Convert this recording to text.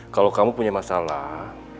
kalau kamu punya masalah